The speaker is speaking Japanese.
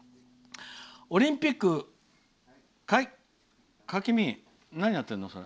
「オリンピック」何やってるの君？